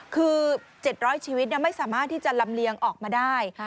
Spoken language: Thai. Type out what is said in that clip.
คือ๗๐๐ชีวิตไม่สามารถที่จะลำเลียงออกมาได้